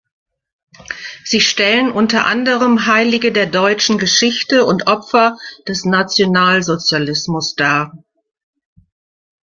Sie stellen unter anderem Heilige der deutschen Geschichte und Opfer des Nationalsozialismus dar.